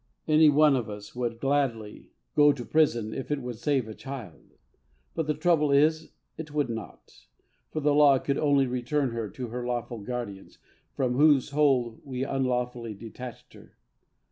Any one of us would gladly go to prison if it would save the child; but the trouble is, it would not: for the law could only return her to her lawful guardians from whose hold we unlawfully detached her.